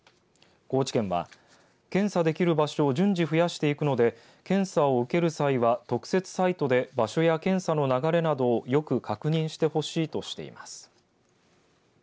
高知県は検査できる場所を順次増やしていくので検査を受ける際は特設サイトで場所や検査の流れなどよく確認してほしいとしています。